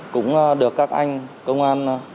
cũng được các anh công an